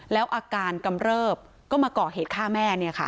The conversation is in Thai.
แล้วอาการกำเลิบก็มาเกาะเหตุฆ่าแม่เนี้ยค่ะ